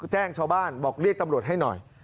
แจ้งชาวบ้านบอกเรียกตำรวจให้หน่อย